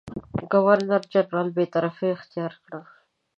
ګورنرجنرال بېطرفي اختیار کړه.